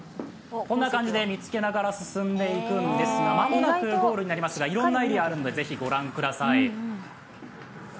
こんな感じで見つけながら進んでいくんですが間もなくゴールになりますがいろんなエリアがあるので是非ご覧ください。